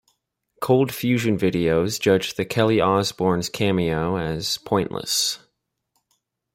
Cold Fusion Video judged the Kelly Osbourne cameo as "pointless".